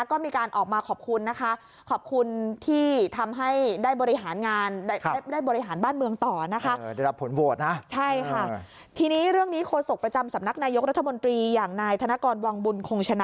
ก็มีการออกมาขอบคุณนะคะขอบคุณที่ทำให้ได้บริหารงาน